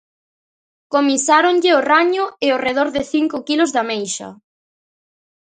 Comisáronlle o raño e ao redor de cinco quilos de ameixa.